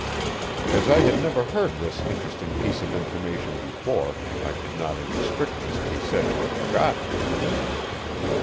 As I had never heard this interesting piece of information before, I could not in strictness be said to have forgotten it.